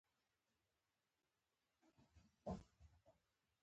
که غواړى، چي تاریخ جوړ کى؛ نو له ځانه ښه راهبر جوړ کئ!